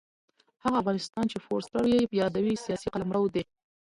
هغه افغانستان چې فورسټر یې یادوي سیاسي قلمرو دی.